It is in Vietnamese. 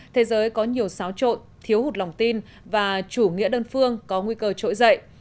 thế giới có nhiều xáo trộn thiếu hụt lòng tin và chủ nghĩa đơn phương có nguy cơ trỗi dậy